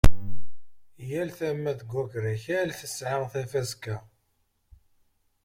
Yal tama deg wagrakal tesɛa tafaska.